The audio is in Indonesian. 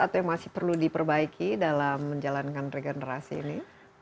atau yang masih perlu diperbaiki dalam menjalankan regenerasi ini